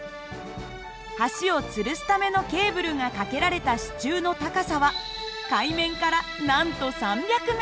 橋をつるすためのケーブルが架けられた支柱の高さは海面からなんと３００ｍ。